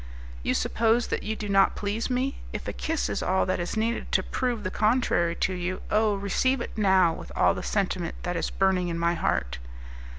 You suppose that you do not please me? If a kiss is all that is needed to prove the contrary to you, oh! receive it now with all the sentiment that is burning in my heart!"